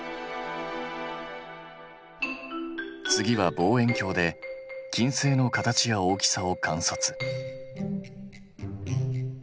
次は望遠鏡で金星の形や大きさを観察。